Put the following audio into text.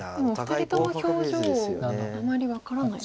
２人とも表情あまり分からないですね。